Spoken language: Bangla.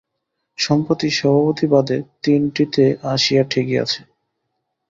সম্প্রতি সভাপতি বাদে তিনটিতে আসিয়া ঠেকিয়াছে।